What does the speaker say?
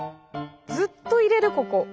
ずっといれるここ。